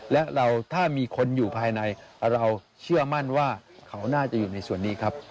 และเราถ้ามีคนอยู่ภายในเราเชื่อมั่นว่าเขาน่าจะอยู่ในส่วนนี้ครับ